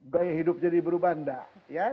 gaya hidup jadi berubah enggak